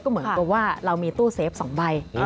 เหมือนกับว่าเรามีตู้เซฟ๒ใบ